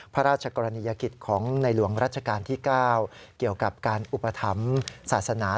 พระราชกรณียกิจของในหลวงรัชกาลที่๙เกี่ยวกับการอุปถัมภ์ศาสนา